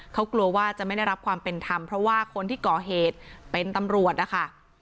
เขากลัวว่าจะไม่ได้รับความเป็นธรรมเพราะว่าคนที่ก่อเหตุเป็นตำรวจนะคะ